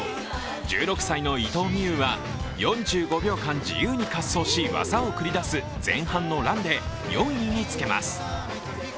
１６歳の伊藤美優は４５秒間自由に滑走し技を繰り出す前半のランで４位につけます。